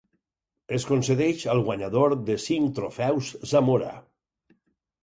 Es concedeix al guanyador de cinc trofeus Zamora.